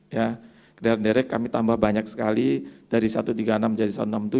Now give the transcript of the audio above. ya kendaraan direct kami tambah banyak sekali dari satu ratus tiga puluh enam jadi satu ratus enam puluh tujuh